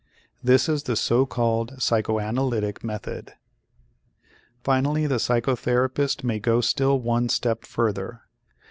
This is the so called psychoanalytic method. Finally the psychotherapist may go still one step further.